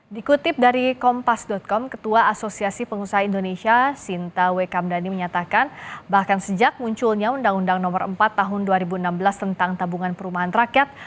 dikutip dari kompas com ketua asosiasi pengusaha indonesia sinta wekamdani menyatakan bahkan sejak munculnya undang undang nomor empat tahun dua ribu enam belas tentang tabungan perumahan rakyat